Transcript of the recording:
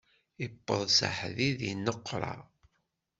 Iwweḍ s aḥdid, inneqwṛa.